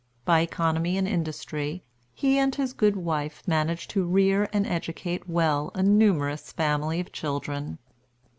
By economy and industry, he and his good wife managed to rear and educate well a numerous family of children.